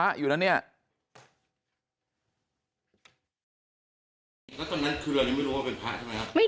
แล้วทีนี้พอคุยมา